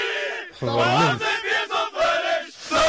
Tḍelmemt.